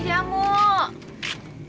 jamunya mas pe